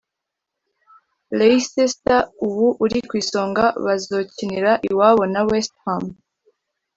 Leicester ubu iri kw'isonga bazokinira iwabo na West Ham